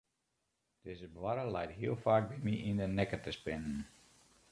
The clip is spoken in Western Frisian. Dizze boarre leit hiel faak by my yn de nekke te spinnen.